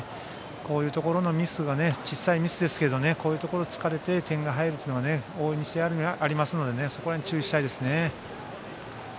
こういうところのミスがね小さいミスですがこういうところを突かれて点が入るというのが往々にしてありますのでそこら辺に注意したいですね。